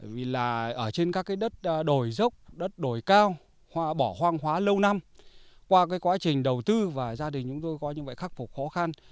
vì là ở trên các đất đồi dốc đất đồi cao bỏ hoang hóa lâu năm qua quá trình đầu tư và gia đình chúng tôi có những khắc phục khó khăn